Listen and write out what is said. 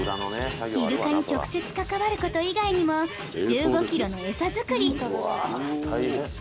イルカに直接関わること以外にも１５ｋｇのエサ作りうわぁ大変。